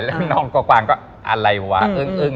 แล้วน้องก็กวางก็อะไรวะอึ้ง